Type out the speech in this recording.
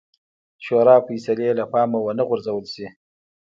شورا فیصلې له پامه ونه غورځول شي.